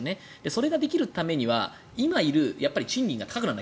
それができるためには今いる、賃金が高くならな